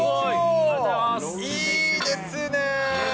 いいですね。